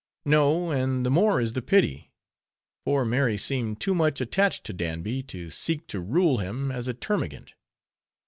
No; and the more is the pity, poor Mary seemed too much attached to Danby, to seek to rule him as a termagant.